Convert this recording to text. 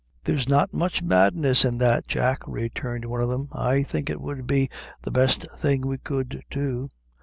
"There's not much madness in that, Jack," returned one of them; "I think it would be the best thing we could do.